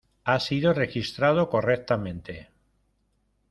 Ha sido registrado correctamente.